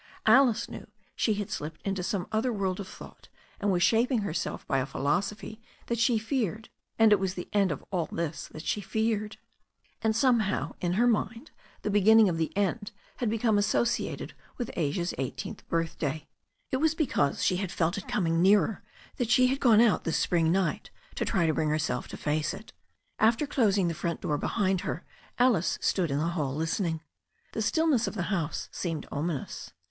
Alice knew she had slipped into some other world of thought, and was shaping herself by a philosophy that she herself feared. And it was the end of all this that she feared. And somehow, in her mind^ 222 THE STORY OF A NEW ZEALAND RIVER the beginning of the end had become associated with Asia's eighteenth birthday. It was because she had felt it coming nearer that she had gone out this spring night to try to bring herself to face it. After closing the front door behind her Alice stood in the hall listening. The stillness of the house seemed ominous.